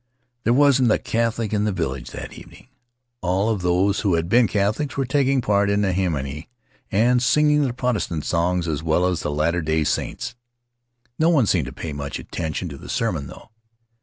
There wasn't a Catholic in the village that evening. All of those who had been Catholics were taking part in the himine and singing the Protestant songs as well as the Latter Day Saints'. No one seemed to pay much attention to the sermon, though.